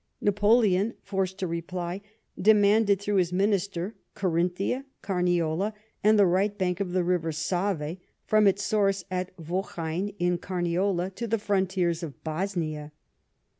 Napoleon, forced to reply, demanded through his Minister, Carinthia, Carniola, and the right bank of the River Save, from its source at Wochein in Carniola to the frontiers of Bosnia.